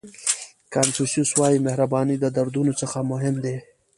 کانفیوسیس وایي مهرباني د دردونو څخه مهم دی.